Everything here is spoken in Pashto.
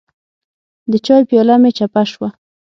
د چای پیاله مې چپه شوه.